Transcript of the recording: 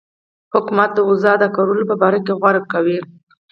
حکومت د اوضاع د کرارولو په باره کې غور کوي.